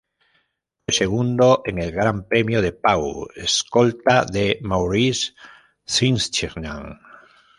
Fue segundo en el Gran Premio de Pau, escolta de Maurice Trintignant.